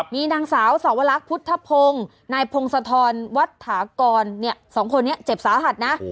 มีนางสาวสวรรคพุทธพงศ์นายพงศธรวัตถากรสองคนนี้เจ็บสาหัสนะ